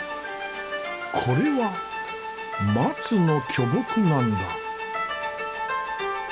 これは松の巨木なんだ。